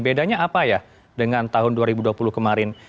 bedanya apa ya dengan tahun dua ribu dua puluh kemarin